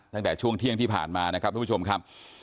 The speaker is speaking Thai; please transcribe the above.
ตั้งแต่ช่วงเที่ยงที่ผ่านมานะครับทุกผู้ชมครับ